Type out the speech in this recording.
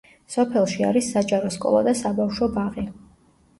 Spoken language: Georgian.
სოფელში არის საჯარო სკოლა და საბავშვო ბაღი.